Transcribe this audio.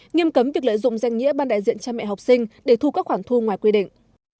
nghiêm cấm việc lợi dụng danh nghĩa ban đại diện cha mẹ học sinh để thu các khoản thu ngoài quy định